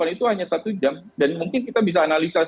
itu hanya satu jam dan mungkin kita bisa analisa